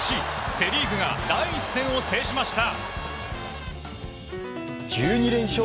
セ・リーグが第１戦を制しました。